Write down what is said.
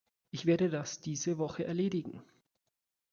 Ich werde das diese Woche erledigen.